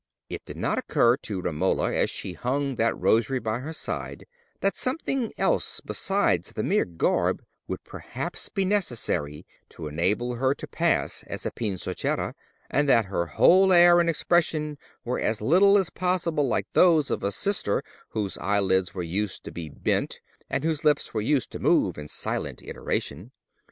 It did not occur to Romola, as she hung that rosary by her side, that something else besides the mere garb would perhaps be necessary to enable her to pass as a Pinzochera, and that her whole air and expression were as little as possible like those of a sister whose eyelids were used to be bent, and whose lips were used to move in silent iteration.